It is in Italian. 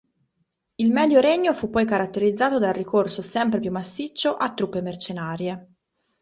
Il Medio Regno fu poi caratterizzato dal ricorso sempre più massiccio a truppe mercenarie.